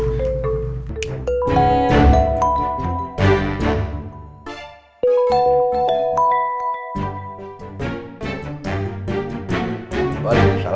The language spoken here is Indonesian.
gue mau katakan nabi tuhan